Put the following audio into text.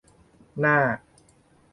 หน้า